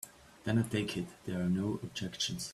Then I take it there are no objections.